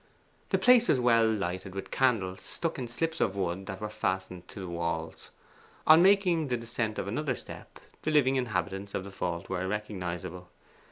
The place was well lighted with candles stuck in slips of wood that were fastened to the wall. On making the descent of another step the living inhabitants of the vault were recognizable.